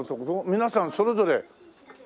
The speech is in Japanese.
皆さんそれぞれ。